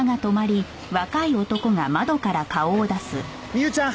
美優ちゃん！